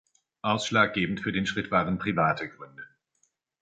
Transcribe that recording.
Ausschlaggebend für den Schritt waren private Gründe.